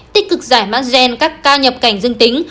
tích cực giải mã gen các ca nhập cảnh dương tính